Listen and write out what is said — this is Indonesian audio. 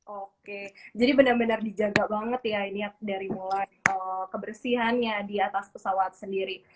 oke jadi benar benar dijaga banget ya niat dari mulai kebersihannya di atas pesawat sendiri